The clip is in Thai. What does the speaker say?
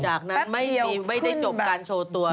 จากนั้นไม่ได้จบการโชว์ตัว